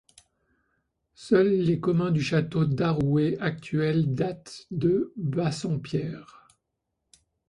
Seuls les communs du château d'Haroué actuel datent de Bassompierre.